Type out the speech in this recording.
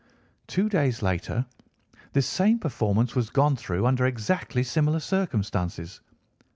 "Two days later this same performance was gone through under exactly similar circumstances.